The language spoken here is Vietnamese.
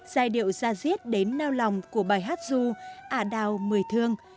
giai điệu ra diết đến nao lòng của bài hát du ả đào mười thương